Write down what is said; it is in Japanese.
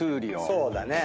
そうだね。